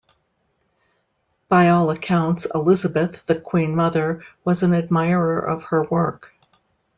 By all accounts Elizabeth, The Queen Mother was an admirer of her work.